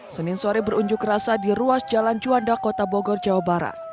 senin sore berunjuk rasa di ruas jalan juanda kota bogor jawa barat